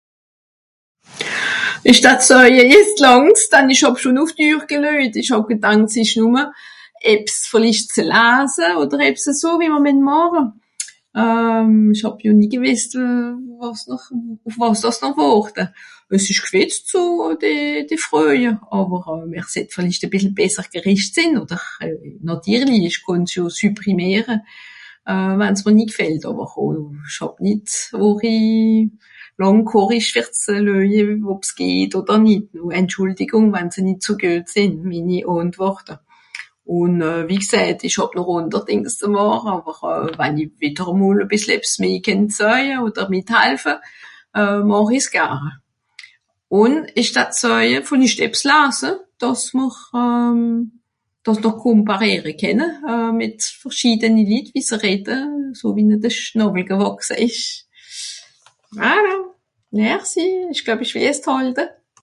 ich dad seuje jetzt langt's, dann ich hàb schunn uf d'Uhr geleuijt. ich hàb gedankt es isch numme ebs vellicht ze laase oder ebs e so wie mr mien màche. Euhm ich hàb jo nitt gewisst euh wàs-n'r uff wàs àss-n'r worte. Es isch g'fitzt, so, die, die Froje, àwer euh mr sett vellicht e bessel besser gericht sinn oder, natirli, ich kànn's jo supprimiere, wann's mr nitt gfällt àwer ich hàb nitt so ori làng ghoricht fer ze leuje ob's geht oder nitt. Entschuldigung wann se nitt so guet sinn, mini Antworte. Un euh wie gsäht, ich hàb noch onder Dings ze màche, àwer wann i widder e mol e bissel ebs meh kennt seuje oder mithalfe euh màch i s gare. un ich dad seuje, vellicht ebs laase, dàss-n'r euhm dàss-n'r kompariere kenne euh mit verschiedeni Litt, wie se redde, so wie ne de Schnàwwel gewàchse isch. Voilà, merci, ich glöb, ich will jetzt hàlte